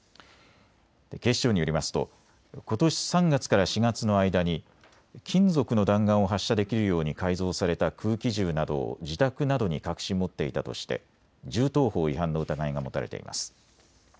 警視庁によりますとことし３月から４月の間に金属の弾丸を発射できるように改造された空気銃などを自宅などに隠し持っていたとして銃刀法違反の疑いが持たれています。